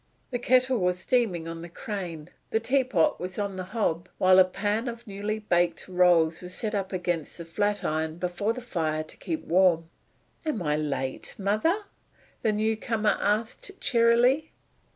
The kettle was steaming on the crane; the teapot was on the hob; while a pan of newly baked rolls was set up against a flat iron before the fire to keep warm. "Am I late, mother?" the new comer asked cheerily.